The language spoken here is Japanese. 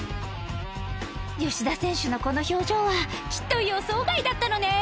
吉田選手のこの表情はきっと予想外だったのね